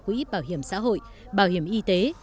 quỹ bảo hiểm xã hội bảo hiểm y tế